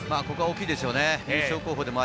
ここは大きいですよね。